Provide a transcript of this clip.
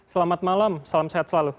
selamat malam salam sehat selalu